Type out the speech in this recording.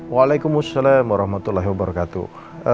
waalaikumsalam warahmatullahi wabarakatuh